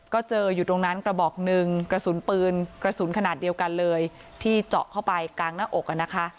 ก็เจออยู่ตรงนั้นกระบอกหนึ่งกระสุนปืนกระสุนขนาดเดียวกันเลยที่เจาะเข้าไปกลางหน้าอกอ่ะนะคะ